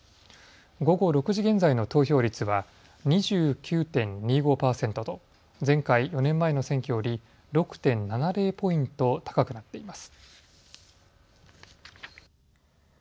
午後６時現在の投票率は２９．２５％と前回４年前の選挙より６．７０ポイント高くなっています。